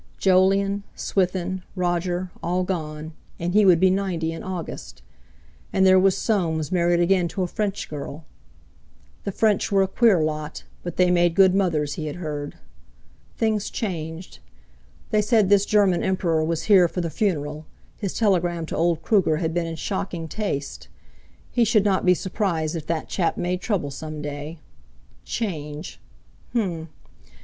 Jolyon, Swithin, Roger all gone, and he would be ninety in August! And there was Soames married again to a French girl. The French were a queer lot, but they made good mothers, he had heard. Things changed! They said this German Emperor was here for the funeral, his telegram to old Kruger had been in shocking taste. He should not be surprised if that chap made trouble some day. Change! H'm!